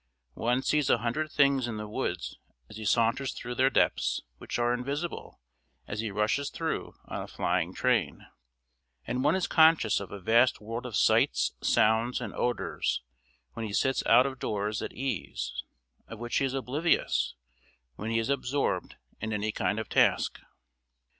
One sees a hundred things in the woods as he saunters through their depths which are invisible as he rushes through on a flying train; and one is conscious of a vast world of sights, sounds, and odours when he sits out of doors at ease, of which he is oblivious when he is absorbed in any kind of task.